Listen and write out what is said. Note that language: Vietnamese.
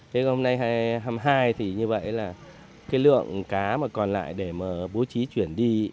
thế hôm nay hai nghìn hai mươi hai thì như vậy là cái lượng cá mà còn lại để mà bố trí chuyển đi